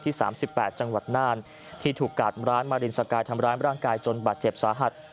๓๘จังหวัดน่านที่ถูกกาดร้านมารินสกายทำร้ายร่างกายจนบาดเจ็บสาหัส